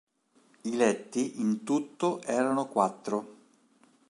I letti in tutto erano quattro.